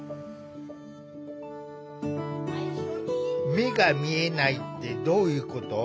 目が見えないってどういうこと？